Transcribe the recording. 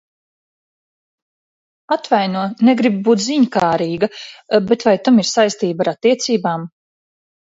Atvaino, negribu būt ziņkārīga, bet vai tam ir saistība ar attiecībām?